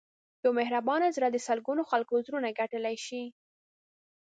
یو مهربان زړه د سلګونو خلکو زړونه ګټلی شي.